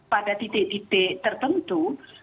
pada titik titik tertentu